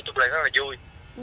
mấy chục lần rất là vui